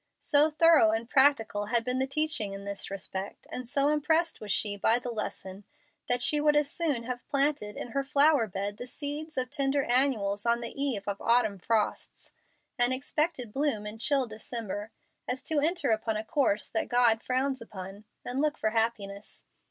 So thorough and practical had been the teaching in this respect, and so impressed was she by the lesson, that she would as soon have planted in her flower bed the seeds of tender annuals on the eve of autumn frosts, and expected bloom in chill December, as to enter upon a course that God frowns upon, and look for happiness.